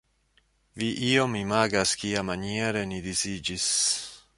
Vi iom imagas kiamaniere ni disiĝis.